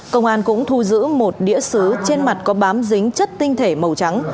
công an cũng thu giữ một đĩa xứ trên mặt có bám dính chất tinh thể màu trắng